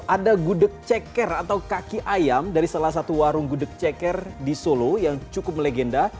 ada gudeg ceker atau kaki ayam dari salah satu warung gudeg ceker di solo yang cukup legenda